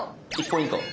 １ポイント。